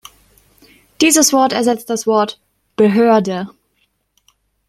Dieses Wort ersetzt das Wort "Behörde".